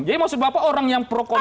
jadi maksud bapak orang yang pro kontra